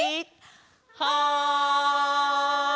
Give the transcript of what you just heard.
はい！